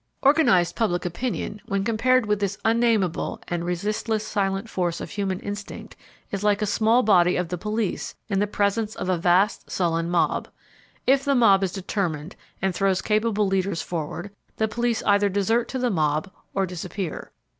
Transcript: Organized public opinion, when compared with this unnameable and resistless silent force of human instinct is like a small body of the police in the presence of a vast sullen mob. If the mob is determined and throws capable leaders forward, the police either desert to the mob or disappear.